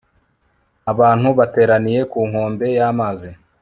abantu bateraniye ku nkombe y'amazi